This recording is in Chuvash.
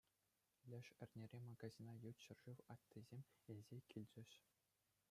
Леш эрнере магазина ют ҫӗршыв аттисем илсе килчӗҫ.